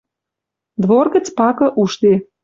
Двор гӹц пакы ужде.